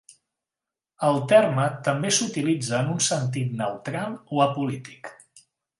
El terme també s'utilitza en un sentit neutral o apolític.